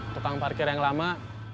tukang parkir yang lama